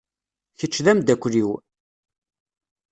Kečč d amdakel-iw.